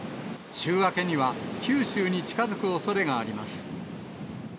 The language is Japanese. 週明けには九州に近づくおそれがあります。